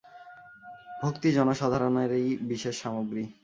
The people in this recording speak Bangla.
ভক্তি জনসাধারণেরই বিশেষ সামগ্রী।